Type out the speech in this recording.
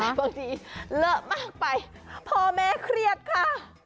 บางทีเลอะมากไปพ่อแม่เครียดค่ะ